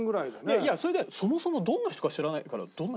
いやそれでそもそもどんな人か知らないからどんな人？